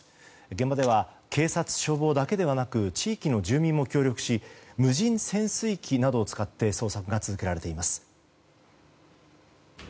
現場では警察・消防だけではなく地域の住民も協力し無人潜水機などを使って捜索が続けられています。